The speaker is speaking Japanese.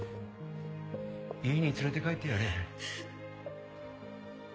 家に連れて帰ってやれ。